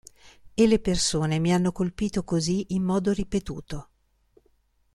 E le persone mi hanno colpito così in modo ripetuto.